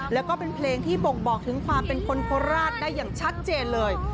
แล้วก็เป็นเพลงที่บ่งบอกถึงความเป็นคนโคราชได้อย่างชัดเจนเลย